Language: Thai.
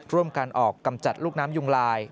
ร่วมการออกกำจัดลูกน้ำยุงลาย